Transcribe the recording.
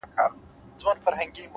مثبت انسان فرصتونه ویني؛